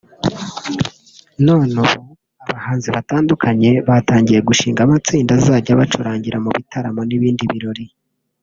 none ubu abahanzi batandukanye batangiye gushinga amatsinda azajya abacurangira mu bitaramo n’ibindi birori